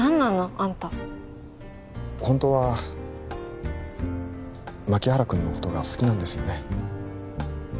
アンタホントは牧原君のことが好きなんですよね